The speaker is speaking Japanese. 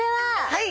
はい。